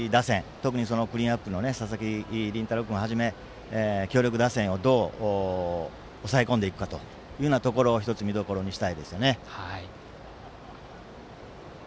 特に、クリーンアップの佐々木麟太郎君をはじめ強力打線をどう押さえ込んでいくかというようなところ１つ見どころにしたいですよね。